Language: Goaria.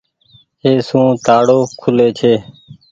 اي سون تآڙو کولي ڇي۔